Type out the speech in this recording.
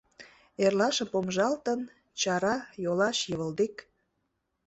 Эрлашым помыжалтын — чара, йолаш йывылдик.